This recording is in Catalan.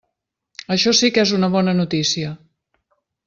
Això sí que és una bona notícia.